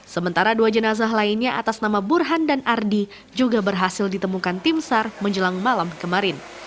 sementara dua jenazah lainnya atas nama burhan dan ardi juga berhasil ditemukan tim sar menjelang malam kemarin